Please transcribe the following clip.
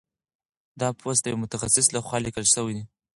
دا پوسټ د یو متخصص لخوا لیکل شوی دی.